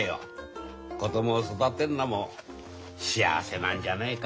子供を育てんのも幸せなんじゃねえか？